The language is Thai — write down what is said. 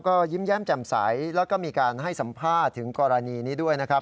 ก็ยิ้มแย้มแจ่มใสแล้วก็มีการให้สัมภาษณ์ถึงกรณีนี้ด้วยนะครับ